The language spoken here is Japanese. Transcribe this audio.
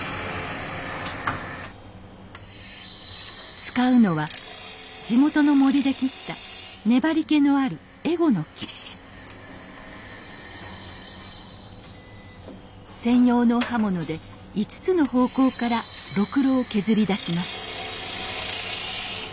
使うのは地元の森で切った粘りけのある専用の刃物で５つの方向からろくろを削り出します